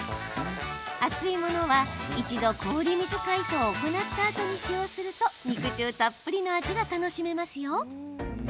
厚いものは、一度、氷水解凍を行ったあとに使用すると肉汁たっぷりの味が楽しめますよ。